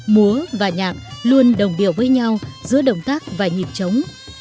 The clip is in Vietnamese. múa và nhạc luôn đồng điều với nhau giữa động tác và nhịp trống